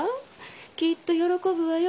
きっと喜ぶわよ。